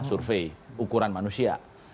survei ukuran manusia